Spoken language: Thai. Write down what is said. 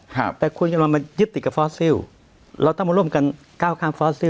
ครับแต่คุณจะมามายึดติดกับฟอสซิลเราต้องมาร่วมกันก้าวข้ามฟอสซิล